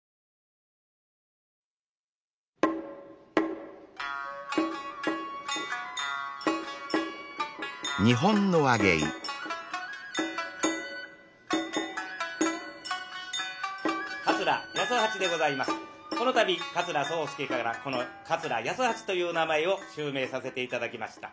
この度桂宗助からこの桂八十八という名前を襲名させて頂きました。